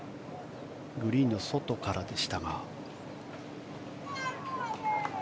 グリーンの外からでしたが。